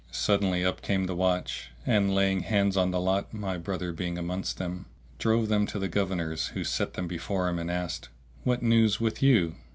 Suddenly up came the watch and, laying hands on the whole lot (my brother being amongst them), drove them[FN#653] to the Governor's who set them before him and asked, "What news with you?"